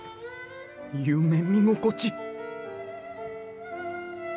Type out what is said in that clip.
夢見心地！